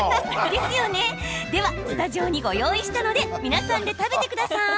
では、スタジオにご用意したので皆さんで食べてください！